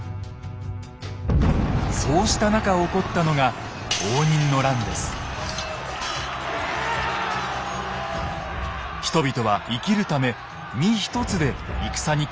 そうした中起こったのが人々は生きるため身一つで戦に駆り出されていきます。